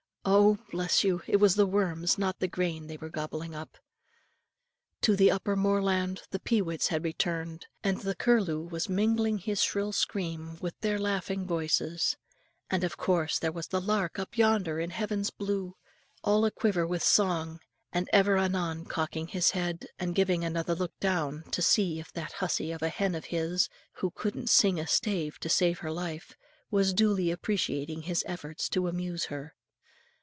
Oh! bless you, it was the worms, not the grain, they were gobbling up. To the upper moorland the peewits had returned, and the curlew was mingling his shrill scream with their laughing voices; and of course there was the lark up yonder in heaven's blue, all a quiver with song, and ever and anon cocking his head, and giving another look down, to see if that hussy of a hen of his who couldn't sing a stave to save her life was duly appreciating his efforts to amuse her.